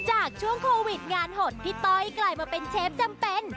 ช่วงโควิดงานหดพี่ต้อยกลายมาเป็นเชฟจำเป็น